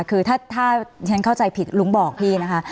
คือถ้าฉันเข้าใจผิดลุงบอกพี่นะคะ